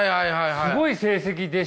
すごい成績でしたけどね。